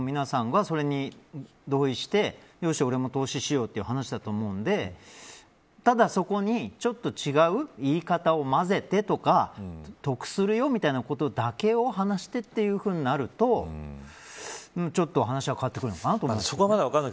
皆さんが、それに同意してよし、俺も投資しようという話だと思うのでただそこにちょっと違う言い方をまぜてとか得するよみたいなことだけを話してというふうになるとちょっと話は変わってくるのかなと。